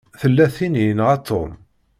Tella tin i yenɣa Tom.